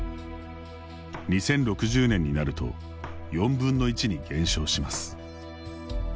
２０６０年になると４分の１に減少します。